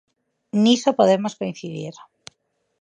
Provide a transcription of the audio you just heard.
Niso podemos coincidir.